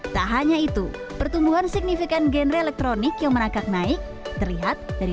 tak hanya itu pertumbuhan signifikan genre elektronik yang merangkak naik terlihat dari